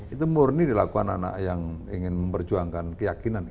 itu murni dilakukan anak yang ingin memperjuangkan keyakinan